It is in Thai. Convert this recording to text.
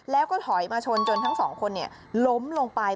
แล้วก็ถอยมาชนจนทั้งสองคนล้มลงไป